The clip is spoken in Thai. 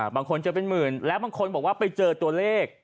บางคนเจอเป็นหมื่นแล้วบางคนบอกว่าไปเจอตัวเลข